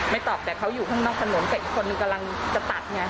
ตอบแต่เขาอยู่ข้างนอกถนนแต่อีกคนนึงกำลังจะตัดไง